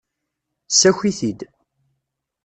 Ssaki-t-id.